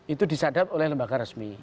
itu disadap oleh lembaga resmi